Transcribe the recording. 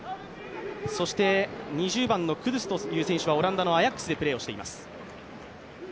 そして、２０番・クドゥスという選手はオランダのアヤックスでプレーをしています。